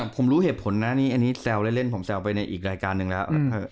ผมรู้เหตุผลนะนี่อันนี้แซวเล่นผมแซวไปในอีกรายการหนึ่งแล้ว